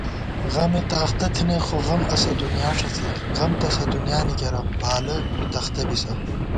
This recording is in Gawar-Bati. غمےتہ اختہ تھنَئیک خو غم اسہ دُنیا ݭڅی * غم تسہ دُنیانی کېرہ بالہ تُو تختہ بِسہ